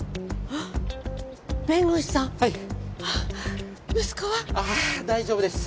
ああ大丈夫です！